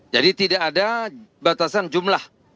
jadi tidak ada batasan jumlah